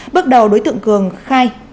bước đầu đối tượng cường khai